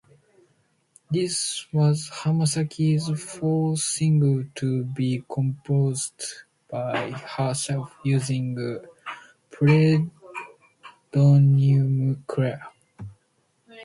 This was Hamasaki's fourth single to be composed by herself using the pseudonym "Crea".